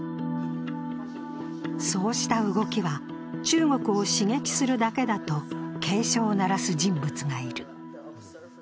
そうした動きは中国を刺激するだけだと警鐘を鳴らす人物がいる。